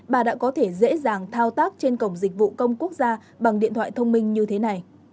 bà đã có thể dễ dàng thao tác trên cổng dịch vụ công quốc gia bằng điện thoại thông minh như thế này